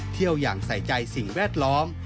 เที่ยวอย่างใส่ใจสิ่งแวดล้อม